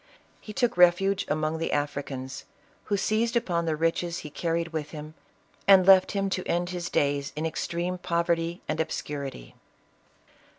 He took refuge among the Africans, who seized upon the riches he carried with him, and left him to end his days in extreme poverty and obscurity.